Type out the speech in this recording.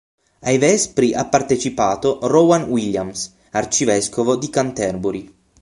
Ai vespri ha partecipato Rowan Williams, Arcivescovo di Canterbury.